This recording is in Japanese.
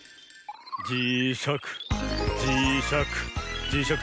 じしゃくじしゃくじしゃく